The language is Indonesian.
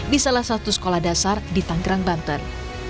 di salah satu sekolah dasar di tanggerang banten